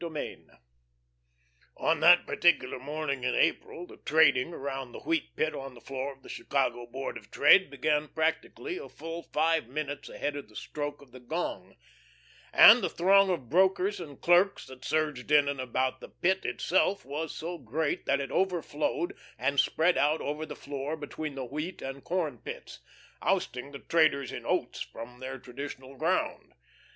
VIII On that particular morning in April, the trading around the Wheat Pit on the floor of the Chicago Board of Trade began practically a full five minutes ahead of the stroke of the gong; and the throng of brokers and clerks that surged in and about the Pit itself was so great that it overflowed and spread out over the floor between the wheat and corn pits, ousting the traders in oats from their traditional ground.